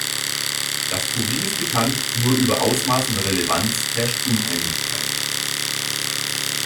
Das Problem ist bekannt, nur über Ausmaß und Relevanz herrscht Uneinigkeit.